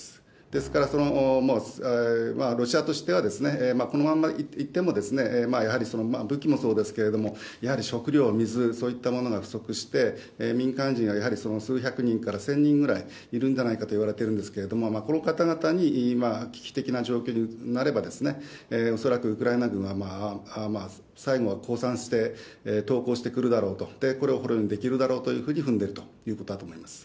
ですからロシアとしては、このままいっても、やはり武器もそうですけども、やはり食料、水、そういったものが不足して、民間人がやはり数百人から１０００人ぐらいいるんじゃないかといわれてるんですけれども、この方々に今、危機的な状況になれば、恐らくウクライナ軍は最後は降参して投降してくるだろうと、これを捕虜にできるだろうと踏んでいるというわけです。